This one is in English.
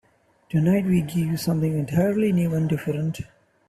Tonight we give you something entirely new and different.